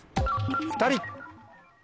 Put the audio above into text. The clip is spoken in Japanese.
「２人」。